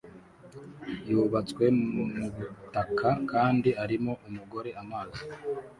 yubatswe mubutaka kandi arimo umugore amazi